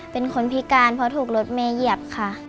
เป็นคนพิการเพราะถูกรถเมย์เหยียบค่ะ